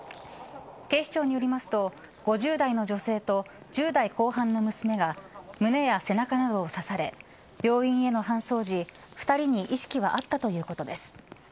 警視庁によりますと５０代の女性と１０代後半の娘が胸や背中などを刺され病院への搬送時、２人に意識はあったということです。